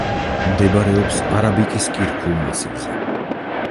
მდებარეობს არაბიკის კირქვულ მასივზე.